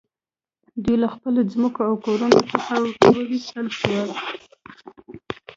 دوی له خپلو ځمکو او کورونو څخه وویستل شول